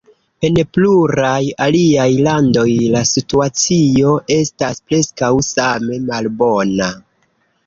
En pluraj aliaj landoj la situacio estas preskaŭ same malbona.